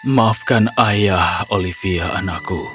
maafkan ayah olivia anakku